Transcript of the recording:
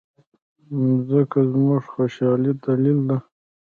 مځکه زموږ د خوشالۍ دلیل ده.